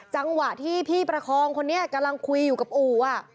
จังหวะที่พี่ประคองคนนี้กำลังคุยอยู่กับอู่